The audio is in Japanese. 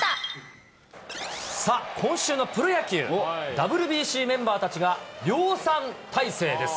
今週のプロ野球、ＷＢＣメンバーたちが量産体制です。